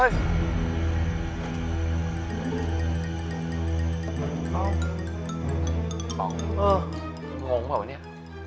อ้าวอ๋องงหรือเปล่าเนี่ย